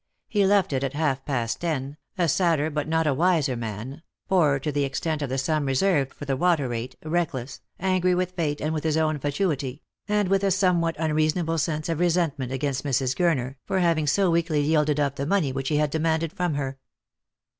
He left it at half past ten, a sadder but not a wiser man, poorer to the extent of the sum reserved for the water rate, reckless, angry with Fate and with his own fatuity, and with a somewhat unreasonable sense of resentment against Mrs. Gurner for having so weakly yielded up the money which he had demanded from her.